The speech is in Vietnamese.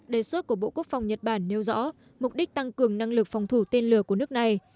đề xuất của bộ quốc phòng nhật bản nêu rõ mục đích tăng cường năng lực phòng thủ tên lửa của nước này